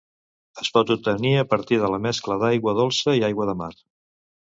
Es pot obtenir a partir de la mescla d'aigua dolça i aigua de mar.